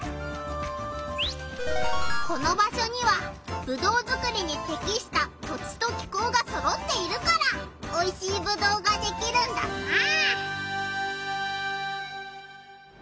この場所にはぶどうづくりにてきした土地と気候がそろっているからおいしいぶどうができるんだな。